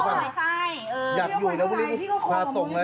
แล้วท่านจะเห็นและได้รับคุณภรรยาทั้งคู่